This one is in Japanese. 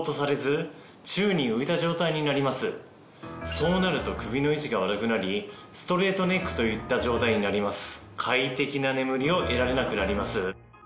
そうなると首の位置が悪くなりストレートネックといった状態になります。